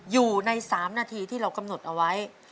อยู่ใน๓นาทีที่เรากำหนดเอาไว้